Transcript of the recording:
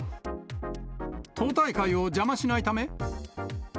党大会を邪魔しないため？